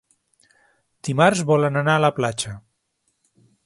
Dimarts volen anar a la platja.